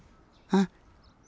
あっ。